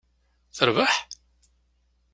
Terbeḥ?